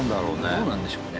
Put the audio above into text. どうなんでしょうね？